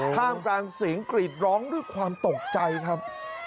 ท่ามกลางเสียงกรีดร้องด้วยความตกใจครับ